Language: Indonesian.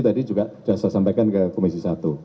tadi juga sudah saya sampaikan ke komisi satu